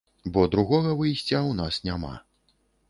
Бо другога выйсця ў нас няма.